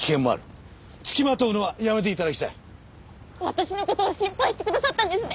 私の事を心配してくださったんですね。